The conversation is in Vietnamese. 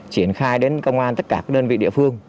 triển khai đến công an tất cả các đơn vị địa phương